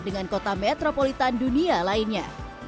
dengan kota metropolitan dunia lainnya